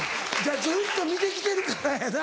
ずっと見てきてるからやな。